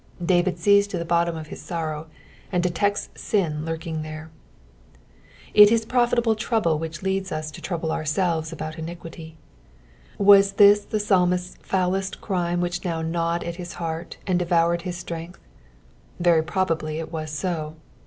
David sees to the bottom of his sorrow, and detects sin lurking there. It is proStable trouble which leads us to trouble ourselves about our iniquity. Was this the psalmist's foulest crime which now gnawed at his heart, and de voured his strength 1 Very probably it was so.